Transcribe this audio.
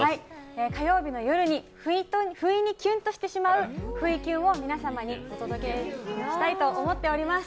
火曜日の夜に不意にキュンとしてしまうふいキュンを皆様にお届けしたいと思います。